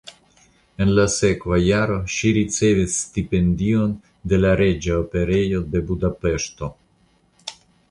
En la sekva jaro ŝi ricevis stipendion de la Reĝa Operejo de Budapeŝto.